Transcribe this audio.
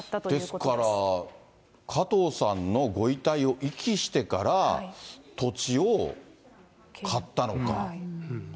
ですから、加藤さんのご遺体を遺棄してから、土地を買ったのか。